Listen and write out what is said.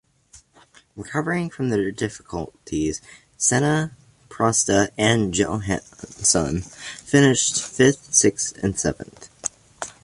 Recovering from their difficulties Senna, Prost and Johansson finished fifth, sixth and seventh.